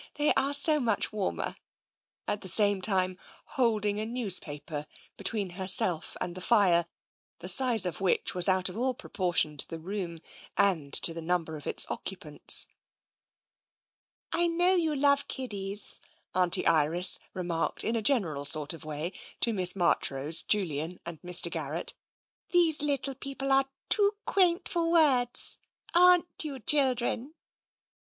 They are so much warmer," at the same time holding a newspaper be tween herself and the fire, the size of which was out of all proportion to the room and to the number of its occupants. " I know you love kiddies," Auntie Iris remarked in a general sort of way to Miss Marchrose, Julian, and Mr. Garrett. " These little people are too quaint for words ; aren't you, children